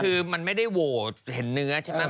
คือมันไม่ได้โหวตเห็นเนื้อใช่ไหม